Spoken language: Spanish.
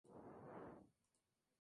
Se encuentra en Oceanía: Fiyi.